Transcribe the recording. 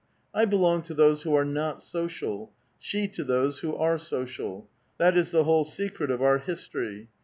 I belong to those who are not social ; she to those who are social. That is the whole secret of our history.